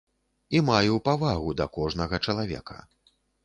І маю павагу да кожнага чалавека.